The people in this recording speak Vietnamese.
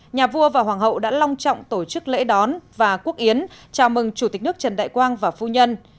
nhà vua và hoàng hậu đã long trọng tổ chức lễ đón và quốc yến chào mừng chủ tịch nước trần đại quang và phu nhân